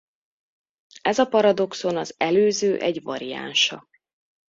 Ez a paradoxon az előző egy variánsa.